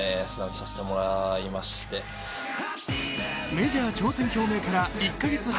メジャー挑戦表明から１か月半。